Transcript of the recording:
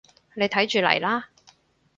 你睇住嚟啦